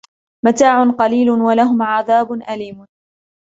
مَتَاعٌ قَلِيلٌ وَلَهُمْ عَذَابٌ أَلِيمٌ